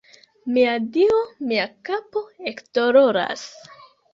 Mia Dio, mia kapo ekdoloras